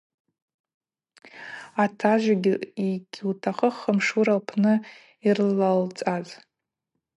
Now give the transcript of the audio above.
Атажв йгьутахъым Шура лпны йрылалцӏаз.